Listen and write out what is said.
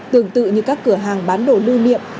tương tự như các cửa hàng bán đồ lưu niệm